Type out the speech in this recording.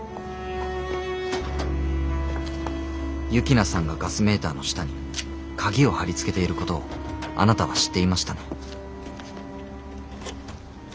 幸那さんがガスメーターの下に鍵を貼り付けていることをあなたは知っていましたね？